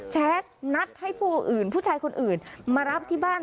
แชทนัดให้ผู้อื่นผู้ชายคนอื่นมารับที่บ้าน